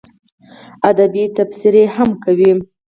ادبي تبصرې هم کوي.